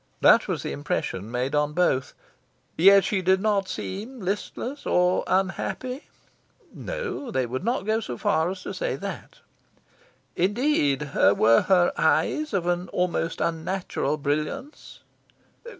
That was the impression made on both. "Yet she did not seem listless or unhappy?" No, they would not go so far as to say that. "Indeed, were her eyes of an almost unnatural brilliance?"